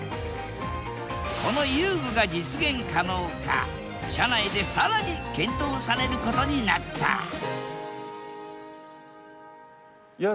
この遊具が実現可能か社内で更に検討されることになったいや